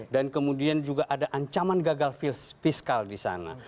dan kemudian juga ada ancaman gagal fiskal di sana